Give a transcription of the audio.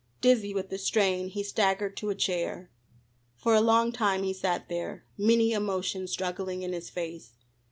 Dizzy with the strain he staggered to a chair. For a long time he sat there, many emotions struggling in his face.